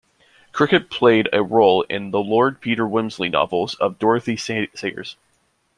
Cricket played a role in the Lord Peter Wimsey novels of Dorothy Sayers.